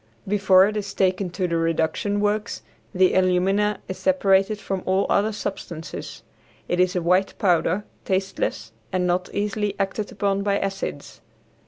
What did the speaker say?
Before it is taken to the reduction works the alumina is separated from all other substances. It is a white powder, tasteless, and not easily acted upon by acids.